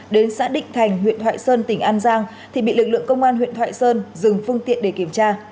đến xã định thành huyện thoại sơn tỉnh an giang thì bị lực lượng công an huyện thoại sơn dừng phương tiện để kiểm tra